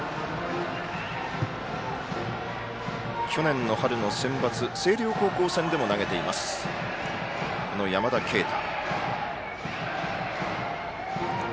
去年の春のセンバツ星稜高校戦でも投げている山田渓太。